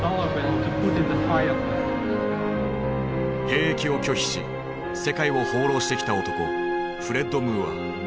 兵役を拒否し世界を放浪してきた男フレッド・ムーア。